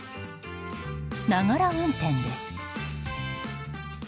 ながら運転です。